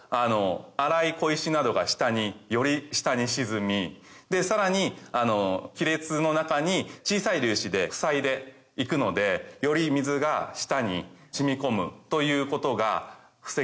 粗い小石などが下により下に沈みさらに亀裂の中に小さい粒子でふさいでいくのでより水が下に染み込むということが防げるんですね。